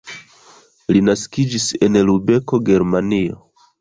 Li naskiĝis en Lubeko, Germanio.